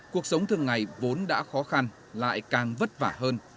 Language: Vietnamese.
cuộc sống thường ngày vốn đã khó khăn lại càng vất vả hơn